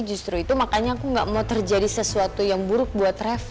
justru itu makanya aku gak mau terjadi sesuatu yang buruk buat revo